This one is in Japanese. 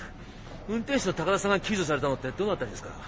運転手の高田さんが救助されたのってどの辺りですか？